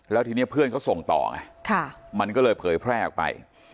แล้วทีนี้เพื่อนเขาส่งต่อไงมันก็เลยเผยแพร่ออกไป